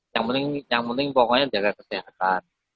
yang penting pokoknya jaga kesehatan